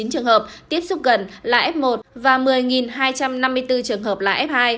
hai mươi trường hợp tiếp xúc gần là f một và một mươi hai trăm năm mươi bốn trường hợp là f hai